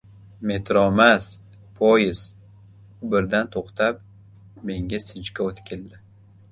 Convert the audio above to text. — Metromas, poyiz, — u birdan to‘xtab, menga sinchkov tikildi.